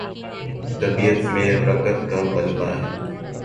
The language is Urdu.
طبیعت میں رقت کا غلبہ ہے۔